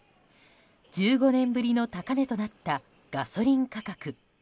１５年ぶりの高値となったガソリン価格。